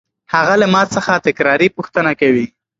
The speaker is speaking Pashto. هغه له ما څخه تکراري پوښتنه کوي.